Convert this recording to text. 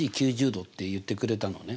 Ｃ９０°って言ってくれたのね。